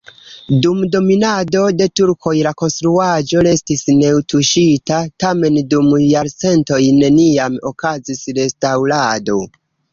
Dum dominado de turkoj la konstruaĵo restis netuŝita, tamen dum jarcentoj neniam okazis restaŭrado.